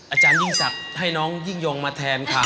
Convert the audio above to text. อาจารยิ่งศักดิ์ให้น้องยิ่งยงมาแทนค่ะ